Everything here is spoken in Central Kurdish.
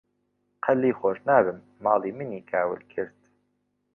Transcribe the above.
قەت لێی خۆش نابم، ماڵی منی کاول کرد.